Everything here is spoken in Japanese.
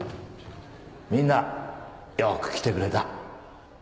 みんなよく来てくれた。